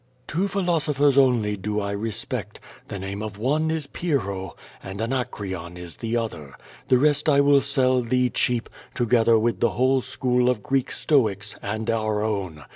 Two philosophers only do I respect; the name of one is P}Trlio, and Anacreon is the other. The rest I will sell tliee cheap, together with the whole school of Greek Stoics, and our own.